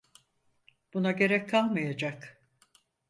Buna gerek kalmayacak.